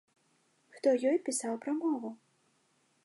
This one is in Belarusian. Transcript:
Хто ёй пісаў прамову?